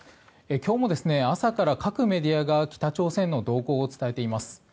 今日も朝から各メディアが北朝鮮の動向を伝えています。